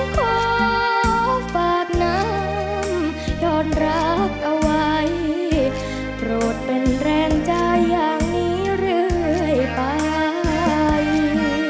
ขอฝากน้องโดนรักเอาไว้โปรดเป็นแรงใจอย่างนี้เรื่อยไป